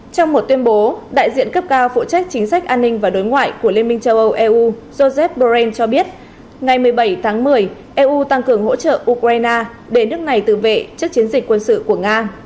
trong một tuyên bố đại diện cấp cao phụ trách chính sách an ninh và đối ngoại của liên minh châu âu eu joseph borrell cho biết ngày một mươi bảy tháng một mươi eu tăng cường hỗ trợ ukraine để nước này tự vệ trước chiến dịch quân sự của nga